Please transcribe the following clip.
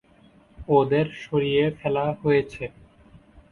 ওদের সরিয়ে ফেলা হয়েছে।